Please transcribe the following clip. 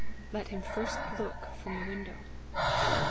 let him first look from the window.